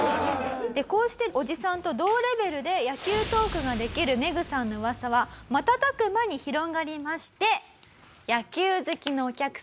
こうしておじさんと同レベルで野球トークができるメグさんの噂は瞬く間に広がりまして。